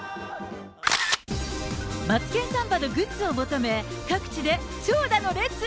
マツケンサンバのグッズを求め、各地で長蛇の列。